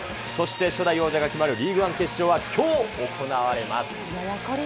そして初代王者が決まるリーグワンの決勝はきょう行われます。